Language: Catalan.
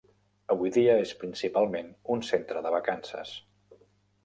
Avui dia és principalment un centre de vacances.